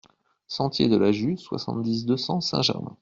Sentier de la Jus, soixante-dix, deux cents Saint-Germain